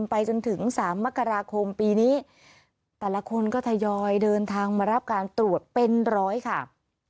ไปจนถึงสามมกราคมปีนี้แต่ละคนก็ทยอยเดินทางมารับการตรวจเป็นร้อยค่ะ